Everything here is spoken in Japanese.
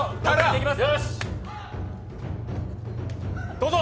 どうぞ！